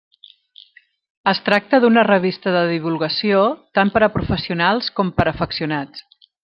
Es tracta d'una revista de divulgació tant per a professionals com per a afeccionats.